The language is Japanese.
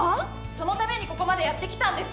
そのためにここまでやってきたんです。